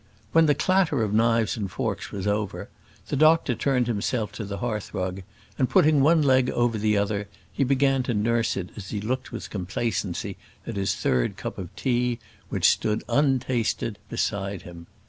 When the clatter of knives and forks was over, the doctor turned himself to the hearthrug, and putting one leg over the other, he began to nurse it as he looked with complacency at his third cup of tea, which stood untasted beside him.